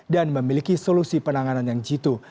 memiliki solusi penanganan yang jitu